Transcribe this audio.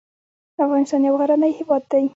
افغانستان يو غرنی هېواد دی